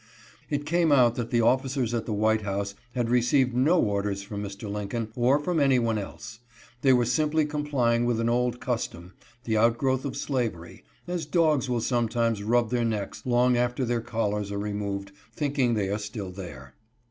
It came out that the officers at the White House had received no orders from Mr. Lincoln, or from any one else. They were simply complying with an old custom, the outgrowth of slavery, as dogs will sometimes rub their necks, long after their collars are removed, thinking they are still there.